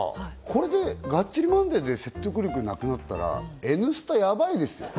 これで「がっちりマンデー！！」で説得力なくなったら「Ｎスタ」ヤバいですよ